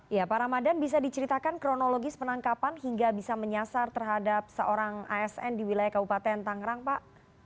ya pak ramadan bisa diceritakan kronologis penangkapan hingga bisa menyasar terhadap seorang asn di wilayah kabupaten tangerang pak